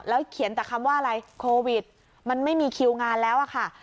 เขียนแต่คำว่าอะไรโควิดมันไม่มีคิวงานแล้วอะค่ะ